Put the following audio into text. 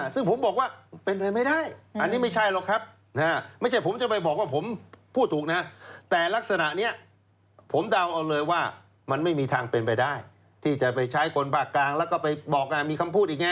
ซึ่งผมบอกว่าเป็นไปไม่ได้อันนี้ไม่ใช่หรอกครับไม่ใช่ผมจะไปบอกว่าผมพูดถูกนะแต่ลักษณะนี้ผมเดาเอาเลยว่ามันไม่มีทางเป็นไปได้ที่จะไปใช้คนภาคกลางแล้วก็ไปบอกมีคำพูดอีกไง